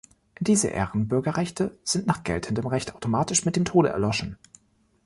Diese Ehrenbürgerrechte sind nach geltendem Recht automatisch mit dem Tode erloschen.